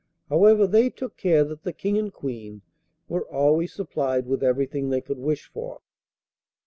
However, they took care that the King and Queen were always supplied with everything they could wish for.